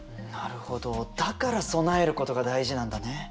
なるほどだから備えることが大事なんだね。